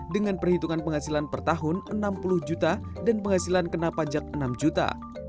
dengan perhitungan penghasilan per tahun enam puluh juta dan penghasilan kena pajak enam juta